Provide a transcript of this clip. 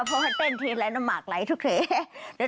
เพราะว่าเต้นทีนรายน้ำหมากไหลทุกที